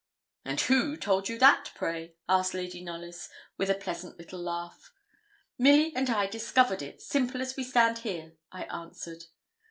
'And who told you that, pray?' asked Lady Knollys, with a pleasant little laugh. 'Milly and I discovered it, simple as we stand here,' I answered.